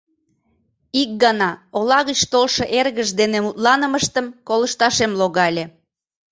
Ик гана ола гыч толшо эргыж дене мутланымыштым колышташем логале.